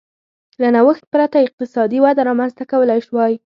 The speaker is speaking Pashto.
له نوښت پرته اقتصادي وده رامنځته کولای شوای.